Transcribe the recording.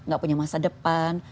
gak punya masa depan